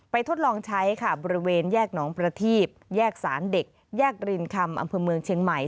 ทดลองใช้ค่ะบริเวณแยกหนองประทีบแยกสารเด็กแยกรินคำอำเภอเมืองเชียงใหม่